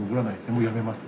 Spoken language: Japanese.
もうやめます。